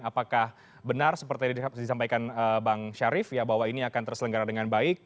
apakah benar seperti disampaikan bang syarif ya bahwa ini akan terselenggara dengan baik